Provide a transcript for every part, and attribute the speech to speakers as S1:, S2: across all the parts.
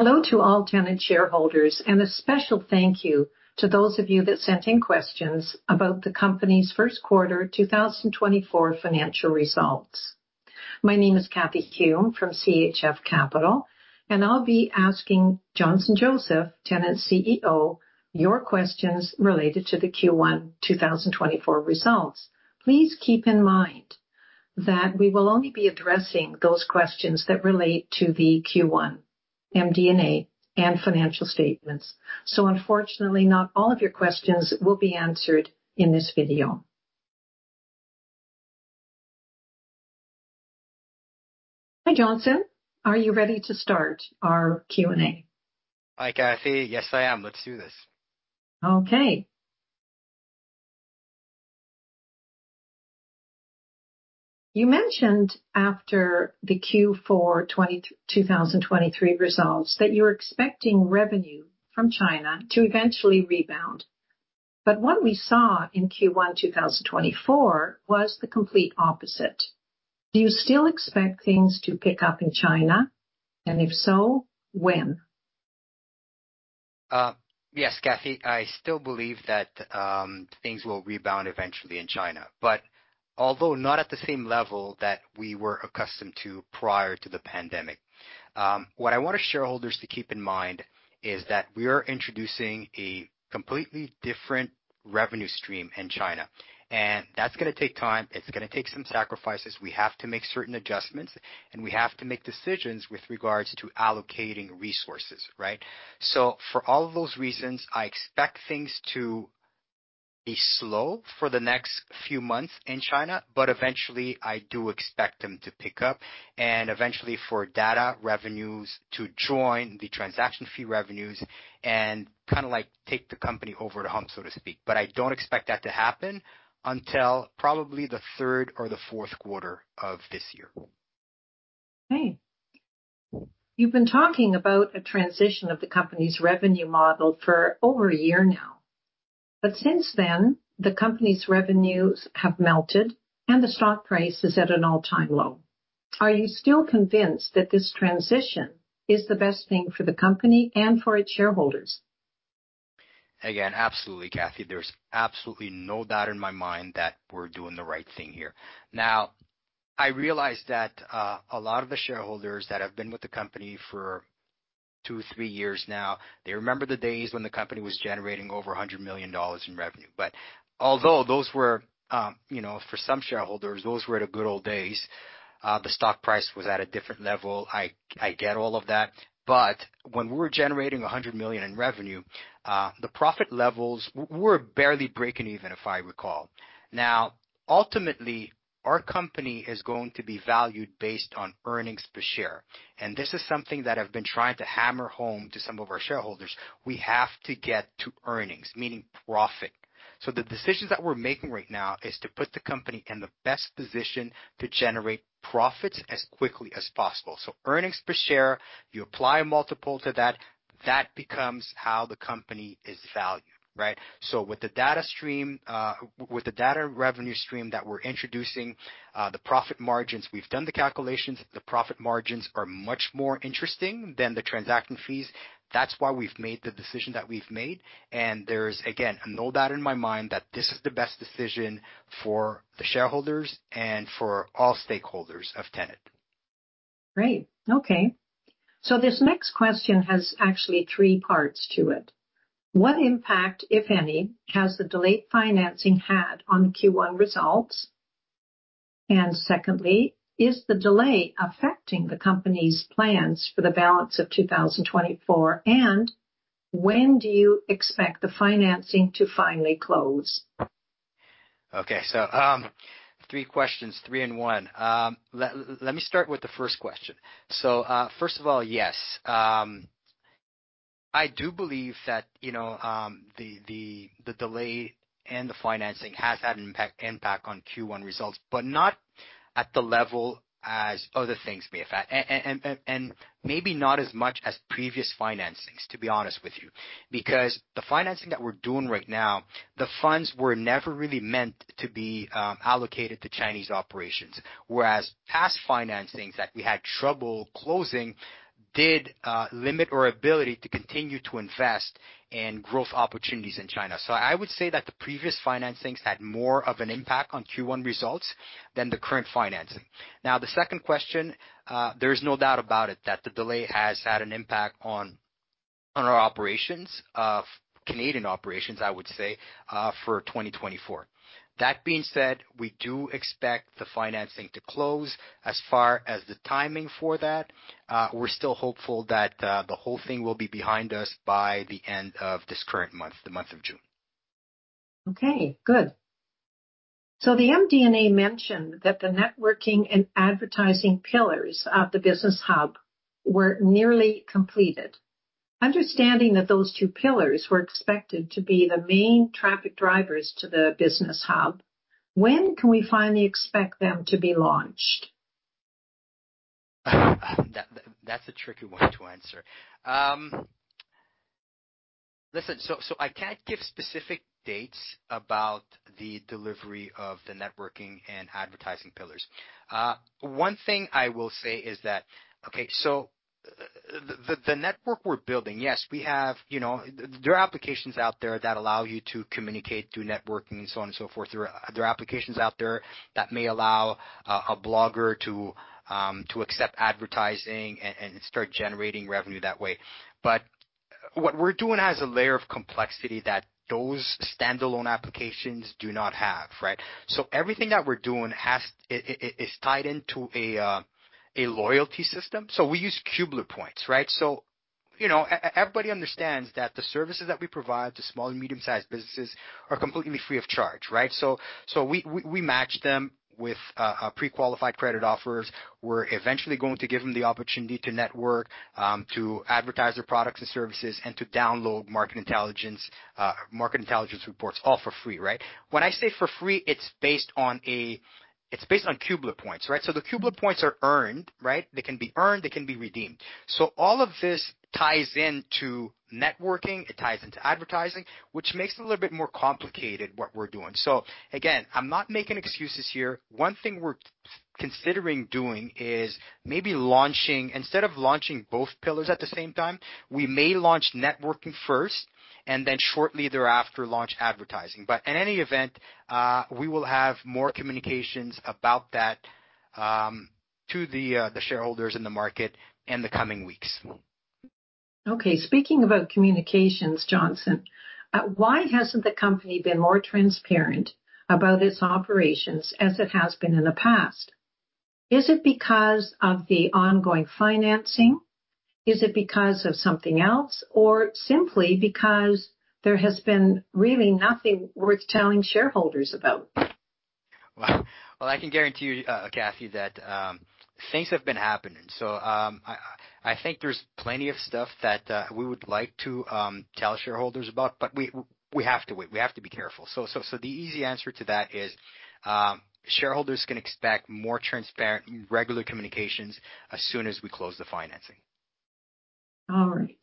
S1: Hello to all Tenet shareholders, and a special thank you to those of you that sent in questions about the company's first quarter, 224 financial results. My name is Cathy Hume from CHF Capital, and I'll be asking Johnson Joseph, Tenet's CEO, your questions related to the Q1 2024 results. Please keep in mind that we will only be addressing those questions that relate to the Q1 MD&A and financial statements. So unfortunately, not all of your questions will be answered in this video. Hi, Johnson. Are you ready to start our Q&A?
S2: Hi, Cathy. Yes, I am. Let's do this.
S1: Okay. You mentioned after the Q4 2023 results, that you're expecting revenue from China to eventually rebound. But what we saw in Q1 2024 was the complete opposite. Do you still expect things to pick up in China? And if so, when?
S2: Yes, Cathy, I still believe that things will rebound eventually in China, but although not at the same level that we were accustomed to prior to the pandemic. What I want our shareholders to keep in mind is that we are introducing a completely different revenue stream in China, and that's gonna take time. It's gonna take some sacrifices. We have to make certain adjustments, and we have to make decisions with regards to allocating resources, right? So for all of those reasons, I expect things to be slow for the next few months in China, but eventually I do expect them to pick up and eventually for data revenues to join the transaction fee revenues and kind of, like, take the company over the hump, so to speak. But I don't expect that to happen until probably the third or the fourth quarter of this year.
S1: Okay. You've been talking about a transition of the company's revenue model for over a year now, but since then, the company's revenues have melted and the stock price is at an all-time low. Are you still convinced that this transition is the best thing for the company and for its shareholders?
S2: Again, absolutely, Cathy. There's absolutely no doubt in my mind that we're doing the right thing here. Now, I realize that a lot of the shareholders that have been with the company for two, three years now, they remember the days when the company was generating over 100 million dollars in revenue. But although those were, you know, for some shareholders, those were the good old days, the stock price was at a different level. I get all of that. But when we were generating 100 million in revenue, the profit levels were barely breaking even, if I recall. Now, ultimately, our company is going to be valued based on earnings per share, and this is something that I've been trying to hammer home to some of our shareholders. We have to get to earnings, meaning profit. So the decisions that we're making right now is to put the company in the best position to generate profits as quickly as possible. So earnings per share, you apply a multiple to that, that becomes how the company is valued, right? So with the data stream, with the data revenue stream that we're introducing, the profit margins, we've done the calculations, the profit margins are much more interesting than the transaction fees. That's why we've made the decision that we've made, and there's, again, no doubt in my mind that this is the best decision for the shareholders and for all stakeholders of Tenet.
S1: Great. Okay, so this next question has actually three parts to it. What impact, if any, has the delayed financing had on Q1 results? And secondly, is the delay affecting the company's plans for the balance of 2024, and when do you expect the financing to finally close?
S2: Okay. So, three questions, three in one. Let me start with the first question. So, first of all, yes, I do believe that, you know, the delay and the financing has had an impact on Q1 results, but not at the level as other things may affect. And maybe not as much as previous financings, to be honest with you, because the financing that we're doing right now, the funds were never really meant to be allocated to Chinese operations, whereas past financings that we had trouble closing did limit our ability to continue to invest in growth opportunities in China. So I would say that the previous financings had more of an impact on Q1 results than the current financing. Now, the second question, there is no doubt about it that the delay has had an impact on, on our operations, of Canadian operations, I would say, for 2024. That being said, we do expect the financing to close. As far as the timing for that, we're still hopeful that, the whole thing will be behind us by the end of this current month, the month of June.
S1: Okay, good. So the MD&A mentioned that the networking and advertising pillars of the Business Hub were nearly completed. Understanding that those two pillars were expected to be the main traffic drivers to the Business Hub, when can we finally expect them to be launched?
S2: That, that's a tricky one to answer. Listen, so I can't give specific dates about the delivery of the networking and advertising pillars. One thing I will say is that. Okay, so the network we're building, yes, we have, you know, there are applications out there that allow you to communicate, do networking, so on and so forth. There are applications out there that may allow a blogger to accept advertising and start generating revenue that way. But what we're doing has a layer of complexity that those standalone applications do not have, right? So everything that we're doing is tied into a loyalty system. So we use Cubeler Points, right? So, you know, everybody understands that the services that we provide to small and medium-sized businesses are completely free of charge, right? We match them with a pre-qualified credit offers. We're eventually going to give them the opportunity to network, to advertise their products and services, and to download market intelligence, market intelligence reports, all for free, right? When I say for free, it's based on Cubeler Points, right? So the Cubeler Points are earned, right? They can be earned, they can be redeemed. So all of this ties into networking, it ties into advertising, which makes it a little bit more complicated, what we're doing. So again, I'm not making excuses here. One thing we're considering doing is maybe launching... Instead of launching both pillars at the same time, we may launch networking first, and then shortly thereafter, launch advertising. In any event, we will have more communications about that to the shareholders in the market in the coming weeks.
S1: Okay, speaking about communications, Johnson, why hasn't the company been more transparent about its operations as it has been in the past? Is it because of the ongoing financing? Is it because of something else, or simply because there has been really nothing worth telling shareholders about?
S2: Wow! Well, I can guarantee you, Cathy, that things have been happening. So, I think there's plenty of stuff that we would like to tell shareholders about, but we have to wait, we have to be careful. So, the easy answer to that is, shareholders can expect more transparent, regular communications as soon as we close the financing.
S1: All right.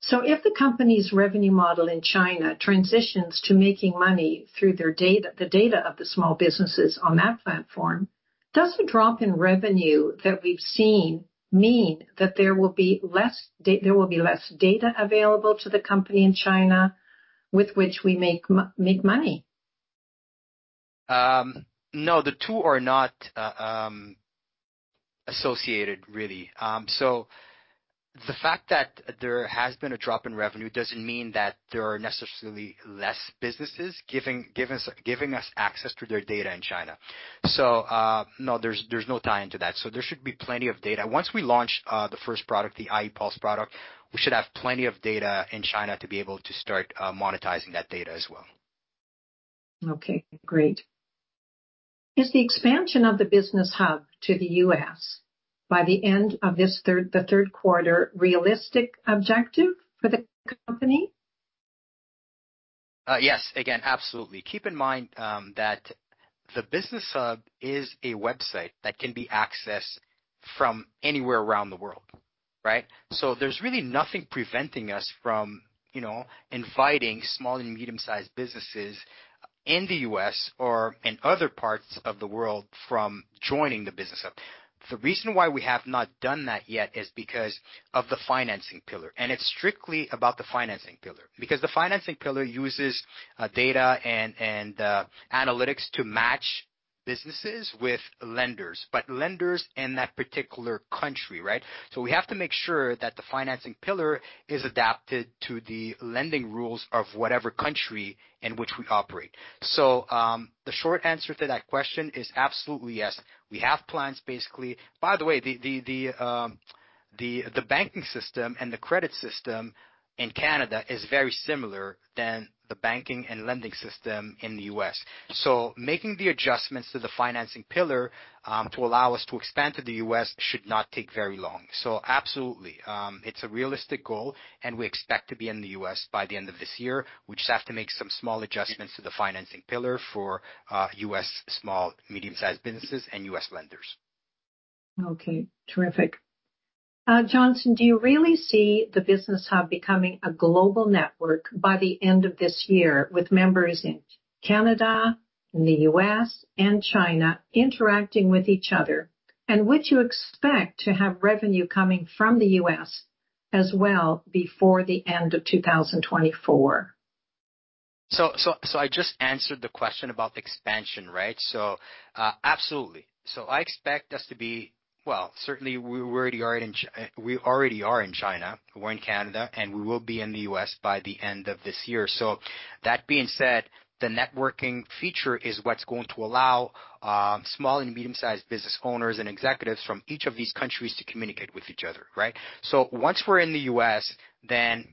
S1: So if the company's revenue model in China transitions to making money through their data, the data of the small businesses on that platform, does the drop in revenue that we've seen mean that there will be less data available to the company in China with which we make money?
S2: No, the two are not associated, really. So the fact that there has been a drop in revenue doesn't mean that there are necessarily less businesses giving us access to their data in China. So, no, there's no tie-in to that. So there should be plenty of data. Once we launch the first product, the ie-Pulse product, we should have plenty of data in China to be able to start monetizing that data as well.
S1: Okay, great. Is the expansion of the Business Hub to the U.S. by the end of this third, the third quarter, realistic objective for the company?
S2: Yes. Again, absolutely. Keep in mind that the business hub is a website that can be accessed from anywhere around the world, right? So there's really nothing preventing us from, you know, inviting small and medium-sized businesses in the U.S. or in other parts of the world from joining the business hub. The reason why we have not done that yet is because of the financing pillar, and it's strictly about the financing pillar. Because the financing pillar uses data and analytics to match businesses with lenders, but lenders in that particular country, right? So, the short answer to that question is absolutely, yes. We have plans, basically... By the way, the banking system and the credit system in Canada is very similar than the banking and lending system in the US. So making the adjustments to the financing pillar to allow us to expand to the US should not take very long. So absolutely, it's a realistic goal, and we expect to be in the US by the end of this year. We just have to make some small adjustments to the financing pillar for US small, medium-sized businesses and US lenders.
S1: Okay. Terrific. Johnson, do you really see the Business Hub becoming a global network by the end of this year, with members in Canada, in the U.S., and China, interacting with each other? And would you expect to have revenue coming from the U.S. as well, before the end of 2024?
S2: I just answered the question about the expansion, right? So, absolutely. So I expect us to be... Well, certainly, we already are in China, we're in Canada, and we will be in the U.S. by the end of this year. So that being said, the networking feature is what's going to allow small and medium-sized business owners and executives from each of these countries to communicate with each other, right? So once we're in the U.S., that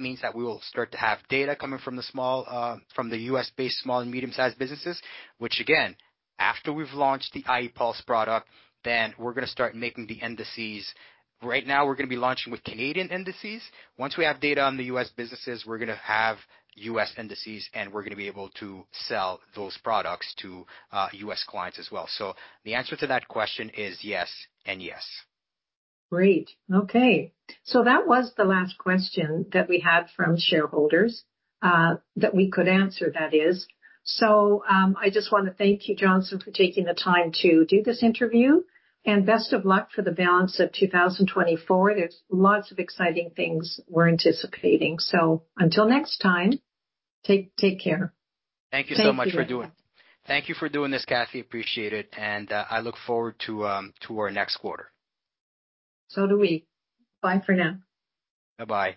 S2: means that we will start to have data coming from the small, from the U.S.-based small and medium-sized businesses, which again, after we've launched the ie-Pulse product, then we're gonna start making the indices. Right now, we're gonna be launching with Canadian indices. Once we have data on the U.S. businesses, we're gonna have U.S. indices, and we're gonna be able to sell those products to, U.S. clients as well. So the answer to that question is yes and yes.
S1: Great. Okay. So that was the last question that we had from shareholders, that we could answer, that is. So, I just want to thank you, Johnson, for taking the time to do this interview, and best of luck for the balance of 2024. There's lots of exciting things we're anticipating. So until next time, take, take care.
S2: Thank you so much for doing-
S1: Thank you.
S2: Thank you for doing this, Cathy. Appreciate it, and I look forward to our next quarter.
S1: So do we. Bye for now.
S2: Bye-bye.